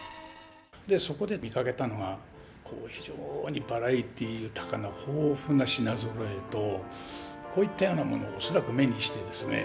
そこで見かけたのが非常にバラエティー豊かな豊富な品ぞろえとこういったようなものを恐らく目にしてですね